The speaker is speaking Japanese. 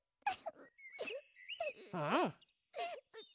うん。